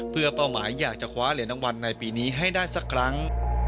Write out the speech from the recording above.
เพื่อเป้าหมายอยากจะคว้าเหรียญรางวัลในปีนี้ให้ได้สักครั้ง